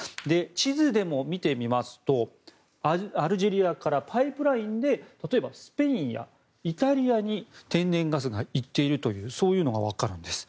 地図でも見てみますとアルジェリアからパイプラインで例えば、スペインやイタリアに天然ガスが行っているというそういうのがわかるんです。